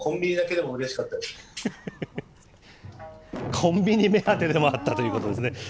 コンビニ目当てでもあったということですね。